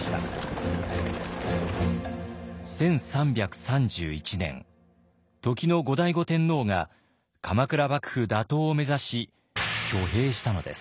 １３３１年時の後醍醐天皇が鎌倉幕府打倒を目指し挙兵したのです。